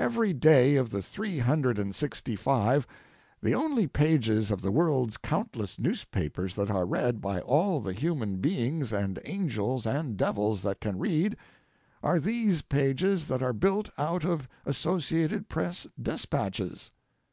Every day of the three hundred and sixty five the only pages of the world's countless newspapers that are read by all the human beings and angels and devils that can read, are these pages that are built out of Associated Press despatches.